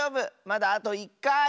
まだあと１かい！